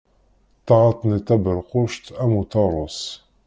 Taɣaṭ-nni taberquct am uṭarus.